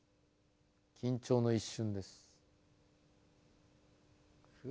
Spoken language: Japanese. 緊張の一瞬です。